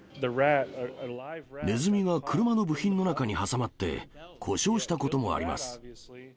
ネズミが車の部品の中に挟まって、故障したこともあります。